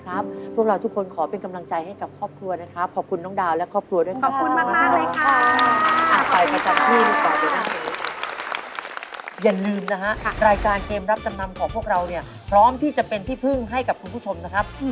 แล้วที่สำคัญที่สุดเลยก็คือ